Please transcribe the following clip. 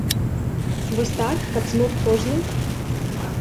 Вось так, каб змог кожны?